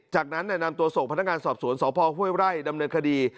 จากนั้นนำตัวส่งพนักงานสอบสวนสพห้วยไร่ดำเนินคดี